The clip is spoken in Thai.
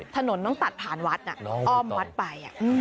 ถนนต้องตัดผ่านวัดอ้อมวัดไป